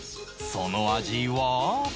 その味は？